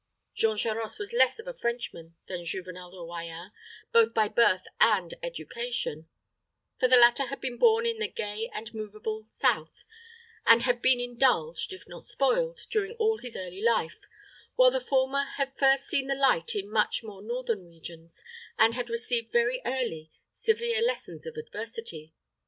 Jean Charost was less of a Frenchman than Juvenel de Royans, both by birth and education; for the latter had been born in the gay and movable south, and had been indulged, if not spoiled, during all his early life; while the former had first seen the light in much more northern regions, and had received very early severe lessons of adversity.